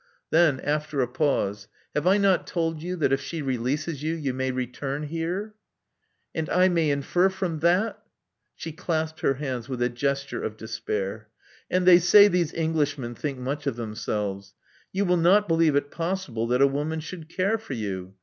Then, after a pause, Have I not told you that if she releases you, you may return here?" And I may infer from that ?*' She clasped her hands with a gesture of despair. *'And they say these Englishmen think much of them selves! You will not believe it possible that a woman should care for you!